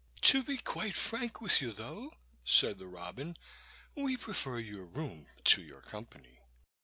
"To be quite frank with you, though," said the robin, "we prefer your room to your company."